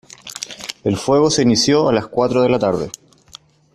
El fuego se inició a las cuatro de la tarde.